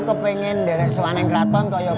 pak aku ingin dari suatu keraton ke tempat lain